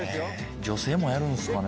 女性もやるんすかね。